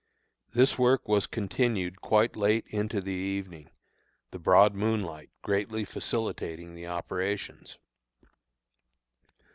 This work was continued quite late into the evening, the broad moonlight greatly facilitating the operations.